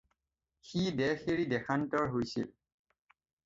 সি দেশ এৰি দেশান্তৰ হৈছিল।